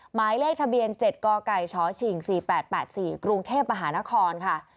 หมายเลขทะเบียนเจ็ดก่อไก่ช้อชิงสี่แปดแปดสี่กรุงเทพมหานครค่ะ